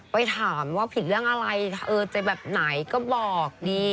ไปถามว่าผิดเรื่องอะไรเออจะแบบไหนก็บอกดี